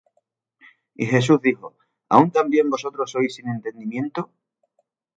Y Jesús dijo: ¿Aun también vosotros sois sin entendimiento?